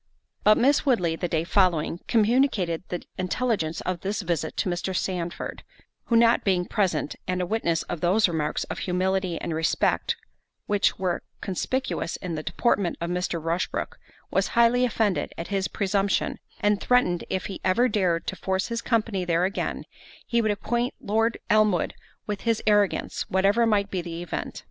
But Miss Woodley, the day following, communicated the intelligence of this visit to Mr. Sandford, who not being present, and a witness of those marks of humility and respect which were conspicuous in the deportment of Mr. Rushbrook, was highly offended at his presumption, and threatened if he ever dared to force his company there again, he would acquaint Lord Elmwood with his arrogance, whatever might be the event.